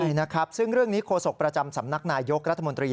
ใช่นะครับซึ่งเรื่องนี้โฆษกประจำสำนักนายยกรัฐมนตรี